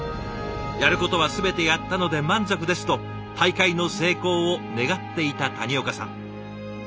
「やることは全てやったので満足です」と大会の成功を願っていた谷岡さん。